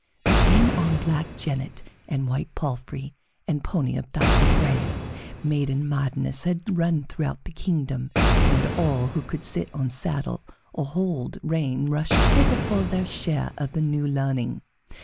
They came on black jennet and white palfrey and pony of dapple gray; maiden madness had run throughout the kingdom, and all who could sit on saddle or hold rein rushed hither for their share of the new learning.